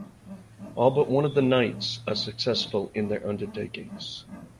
All but one of the knights are successful in their undertakings.